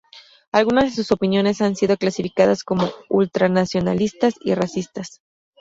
Algunas de sus opiniones han sido clasificadas como ultranacionalistas y racistas.